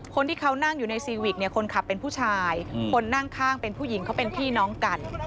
คนที่เขานั่งอยู่ในซีวิกเนี่ยคนขับเป็นผู้ชายคนนั่งข้างเป็นผู้หญิงเขาเป็นพี่น้องกัน